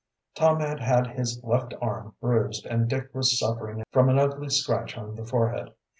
Tom had had his left arm bruised and Dick was suffering from an ugly scratch on the forehead.